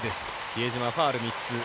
比江島、ファウル３つ。